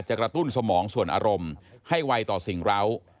กระตุ้นสมองส่วนอารมณ์ให้ไวต่อสิ่งเหล้า